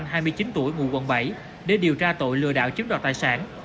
giam phan công khanh hai mươi chín tuổi ngụ quận bảy để điều tra tội lừa đảo chiếm đoạt tài sản